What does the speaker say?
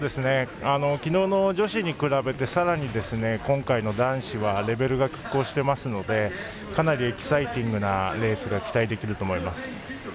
昨日の女子に比べてさらに今回の男子はレベルがきっ抗していますのでかなりエキサイティングなレースが期待できると思います。